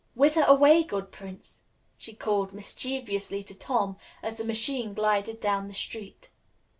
"Whither away, good prince?" she called mischievously to Tom as the machine glided down the street.